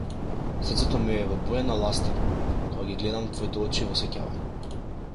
Срцето ми е со боја на ластар, кога ги гледам твоите очи во сеќавање.